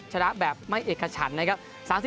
ชนะแบบไม่เอกฉันนะครับ